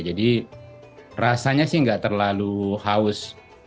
jadi rasanya sih nggak terlalu haus